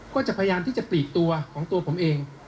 ก็จะพยายามที่จะปลีกตัวของตัวผมเอง